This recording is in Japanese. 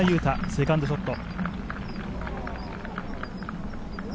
セカンドショット。